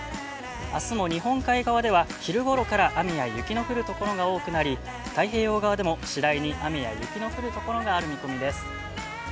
あすも日本海側では、昼頃から雨や雪の降るところが多くなり太平洋側では、次第に雨や雪の降るところがある見込みです。